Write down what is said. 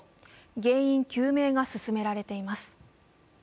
原因究明が進められています。